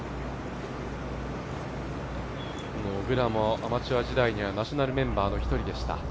小倉もアマチュア時代には、ナショナルメンバーの一人でした。